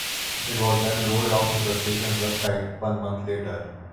It was then rolled out to the station's website one month later.